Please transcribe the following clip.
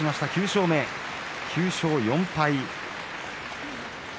９勝目です、９勝４敗。